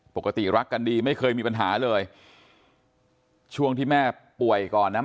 ปกติรักกันดีไม่เคยมีปัญหาเลยช่วงที่แม่ป่วยก่อนนะ